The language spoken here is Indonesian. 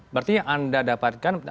berarti yang anda dapatkan